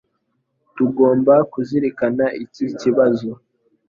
Tugomba kuzirikana iki kibazo.